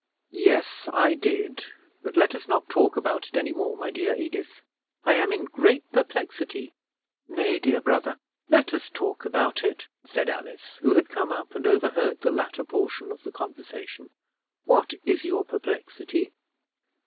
"Yes, I did; but let us not talk about it any more, my dear Edith. I am in great perplexity." "Nay, dear brother, let us talk about it," said Alice, who had come up and overheard the latter portion of the conversation. "What is your perplexity?"